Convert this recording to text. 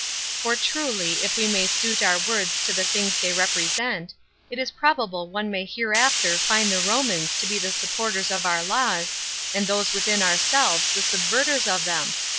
For truly, if we may suit our words to the things they represent, it is probable one may hereafter find the Romans to be the supporters of our laws, and those within ourselves the subverters of them.